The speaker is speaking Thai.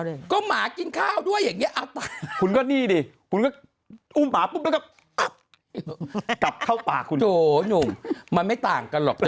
ราคาเซเว่นหรือเปล่า